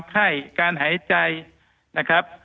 ไข้การหายใจประเมิน